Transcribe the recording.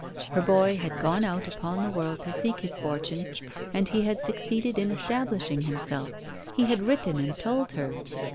Her boy had gone out upon the world to seek his fortune, and he had succeeded in establishing himself, he had written and told her.